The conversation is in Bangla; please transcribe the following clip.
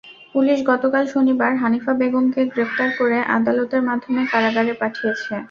পুলিশ গতকাল শনিবার হানিফা বেগমকে গ্রেপ্তার করে আদালতের মাধ্যমে কারাগারে পাঠিয়েছে।